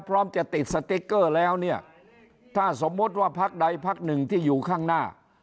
พร้อมจะติดสติ๊กเกอร์แล้วเนี่ยถ้าสมมุติว่าพักใดพักหนึ่งที่อยู่ข้างหน้า